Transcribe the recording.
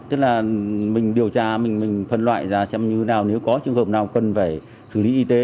tức là mình điều tra mình phân loại ra xem như thế nào nếu có trường hợp nào cần phải xử lý y tế